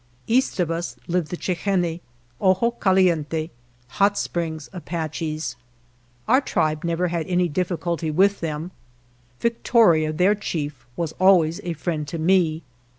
East of us lived the Chi hen ne (Ojo Caliente), (Hot Springs) Apaches. Our tribe never had any difficulty with them. Victoria, their chief, was always a friend to me.